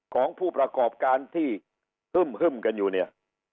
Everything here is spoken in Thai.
ของผู้ประกอบการที่ฮึ่มกันอยู่เนี่ย